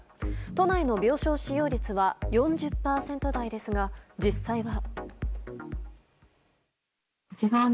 都内の病床使用率は４０％台ですが実際は。